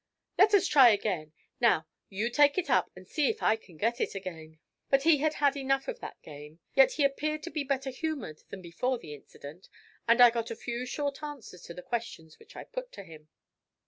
"Let us try again. Now, you take it up, and see if I can get it again." But he had had enough of that game. Yet he appeared to be better humoured than before the incident, and I got a few short answers to the questions which I put to him.